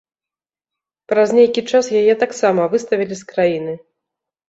Праз нейкі час яе таксама выставілі з краіны.